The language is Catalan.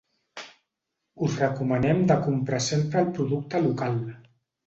Us recomanem de comprar sempre el producte local.